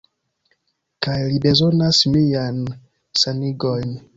Kaj li bezonas miajn sanigojn.